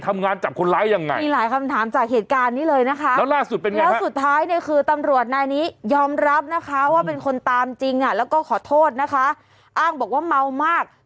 อ้างบอกว่าเมามาก